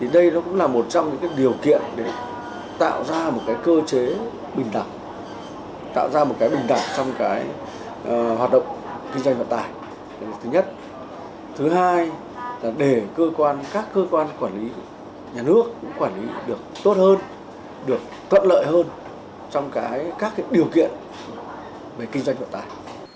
để các cơ quan quản lý nhà nước cũng quản lý được tốt hơn được tận lợi hơn trong các điều kiện về kinh doanh vận tải